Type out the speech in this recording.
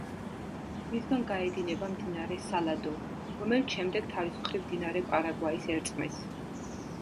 მისგან გაედინება მდინარე სალადო, რომელიც შემდეგ თავის მხრივ მდინარე პარაგვაის ერწყმის.